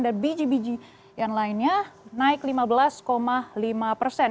dan biji biji yang lainnya naik lima belas lima persen